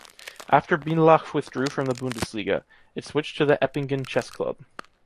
After Bindlach withdrew from the Bundesliga, it switched to the Eppingen Chess Club.